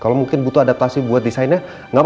sekarang jin bisa mettre gimana remarkable gini